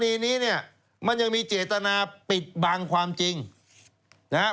คดีนี้เนี่ยมันยังมีเจตนาปิดบังความจริงนะฮะ